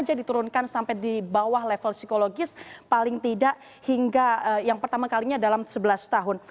jadi sengaja diturunkan sampai di bawah level psikologis paling tidak hingga yang pertama kalinya dalam sebelas tahun